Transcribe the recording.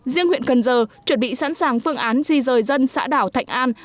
riêng huyện cần giờ chuẩn bị sẵn sàng phương án di rời dân xã đảo thạnh an